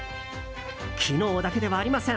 機能だけではありません。